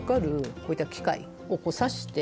こういった機械を差して。